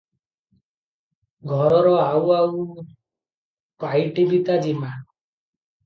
ଘରର ଆଉ ଆଉ ପାଇଟି ବି ତା ଜିମା ।